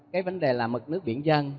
cái vấn đề là mực nước biển dân